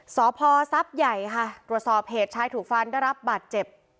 สพทรัพย์ใหญ่ค่ะตรวจสอบเหตุชายถูกฟันได้รับบาดเจ็บ